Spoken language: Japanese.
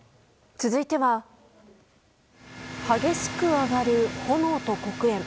続いては激しく上がる炎と黒煙。